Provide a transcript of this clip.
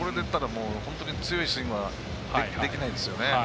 本当に強いスイングはできないですよね。